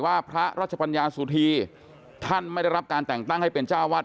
ว่าพระราชปัญญาสุธีท่านไม่ได้รับการแต่งตั้งให้เป็นเจ้าวาด